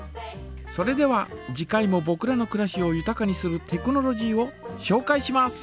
それでは次回もぼくらのくらしをゆたかにするテクノロジーをしょうかいします。